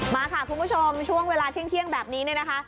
มาค่ะคุณผู้ชมช่วงเวลาเที่ยงแบบนี้เนี่ยนะคะ